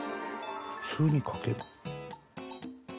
普通に書けるの？